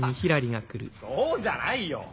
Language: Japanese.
・そうじゃないよ。